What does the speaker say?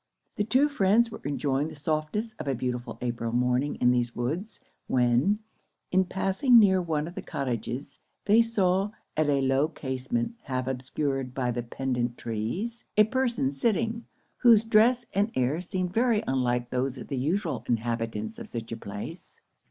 The two friends were enjoying the softness of a beautiful April morning in these woods, when, in passing near one of the cottages, they saw, at a low casement half obscured by the pendant trees, a person sitting, whose dress and air seemed very unlike those of the usual inhabitants of such a place.